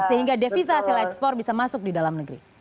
sehingga devisa hasil ekspor bisa masuk di dalam negeri